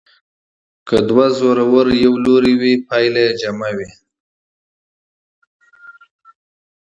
که دوه قوې هم جهته وي محصله یې جمع ده.